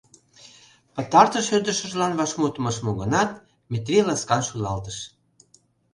Пытартыш йодышыжлан вашмутым ыш му гынат, Метрий ласкан шӱлалтыш.